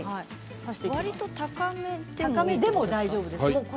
わりと高めでも大丈夫です。